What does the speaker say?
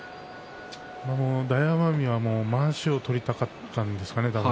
大奄美は、まわしを取りたかったんですかね、多分。